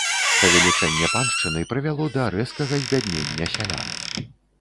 Павелічэнне паншчыны прывяло да рэзкага збяднення сялян.